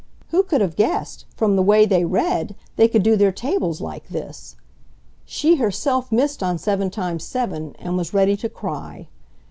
Who could have guessed, from the way they read, they could do their tables like this! She herself missed on 7 x 7 and was ready to cry.